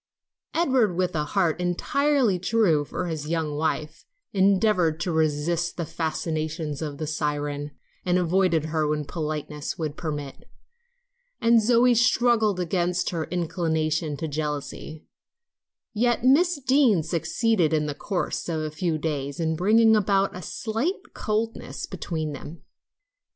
Edward, with a heart entirely true to his young wife, endeavored to resist the fascinations of the siren and avoid her when politeness would permit; and Zoe struggled against her inclination to jealousy, yet Miss Deane succeeded in the course of a few days in bringing about a slight coldness between them.